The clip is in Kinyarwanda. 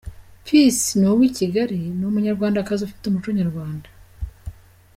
Peace ni uw’i Kigali ni umunyarwandakazi ufite umuco nyarwanda.